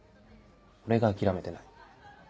俺が諦めてない。